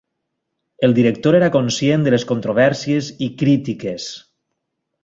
El director era conscient de les controvèrsies i crítiques.